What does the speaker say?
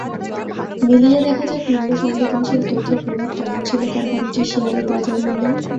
মিলিয়ে দেখা যাক মূল্য সংবেদনশীল তথ্যের প্রভাব কেমন ছিল কোম্পানিটির শেয়ারের বাজারমূল্যে।